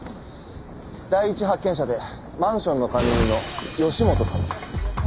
第一発見者でマンションの管理人の吉本さんです。